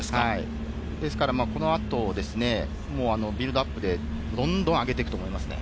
ですからこの後ですね、ビルドアップでどんどん上げていくと思いますね。